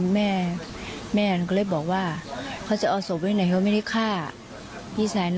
แม่แม่หนูก็เลยบอกว่าเขาจะเอาศพไว้ไหนเขาไม่ได้ฆ่าพี่ชายหนู